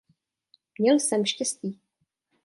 Měl jsem štěstí.